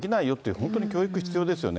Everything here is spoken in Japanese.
本当に教育、必要ですよね。